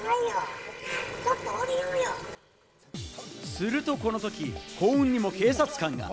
するとこの時、幸運にも警察官が。